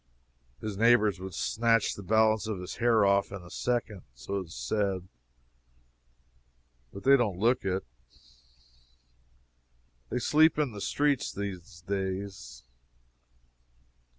His neighbors would snatch the balance of his hair off in a second. So it is said. But they don't look it. They sleep in the streets these days.